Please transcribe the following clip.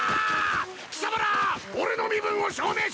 貴様ら俺の身分を証明しろニャ！